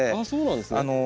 そうなんですね。